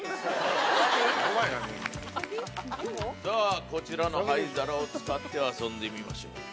さぁこちらの灰皿を使って遊んでみましょう。